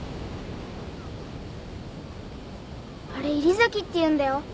あれ西崎っていうんだよ。